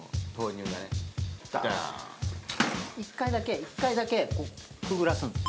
１回だけ１回だけくぐらすんです